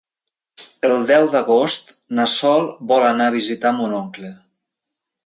El deu d'agost na Sol vol anar a visitar mon oncle.